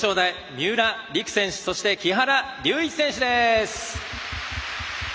三浦璃来選手そして、木原龍一選手です。